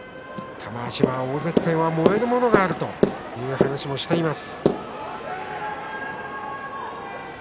玉鷲は大関戦は燃えるものがあるという話をしています。